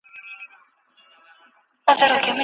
بریالي خلک تل عاجز او حلیم وي.